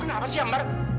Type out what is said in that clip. kamu kenapa sih ambar